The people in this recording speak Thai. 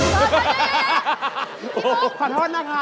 ทีมุ้งขอโทษนะคะ